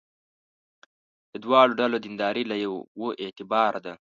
د دواړو ډلو دینداري له یوه اعتباره ده.